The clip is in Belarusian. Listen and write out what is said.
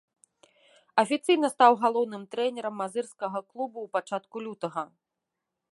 Афіцыйна стаў галоўным трэнерам мазырскага клуба ў пачатку лютага.